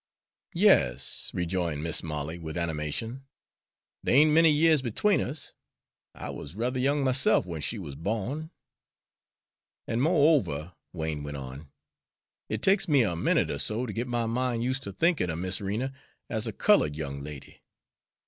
"Yas," rejoined Mis' Molly, with animation, "they ain't many years between us. I wuz ruther young myself when she wuz bo'n." "An', mo'over," Wain went on, "it takes me a minute er so ter git my min' use' ter thinkin' er Mis' Rena as a cullud young lady.